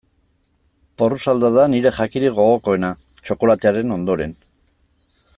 Porrusalda da nire jakirik gogokoena, txokolatearen ondoren.